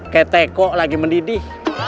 kayak teko lagi mendidih